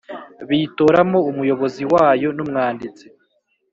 Bitoramo umuyobozi wayo n umwanditsi